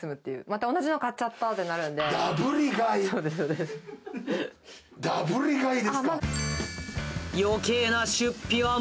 また同じの買っちゃったってなるダブリ買い？